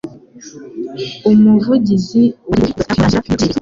Umuvugizi wa RIB, Dr Murangira B. Thierry